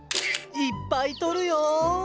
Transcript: いっぱい撮るよ。